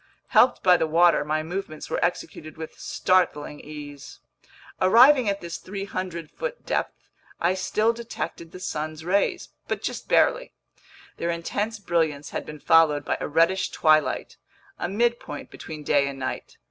Helped by the water, my movements were executed with startling ease. Arriving at this 300 foot depth, I still detected the sun's rays, but just barely. Their intense brilliance had been followed by a reddish twilight, a midpoint between day and night.